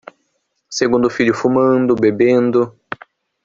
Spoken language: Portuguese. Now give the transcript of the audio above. Segundo filho fumando, bebendo